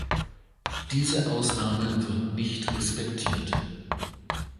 Diese Ausnahme wird nicht respektiert.